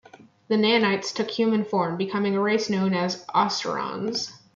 The nanites took human form, becoming a race known as the Asurans.